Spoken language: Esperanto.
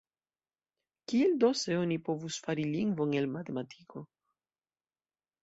Kiel do, se oni povus fari lingvon el matematiko?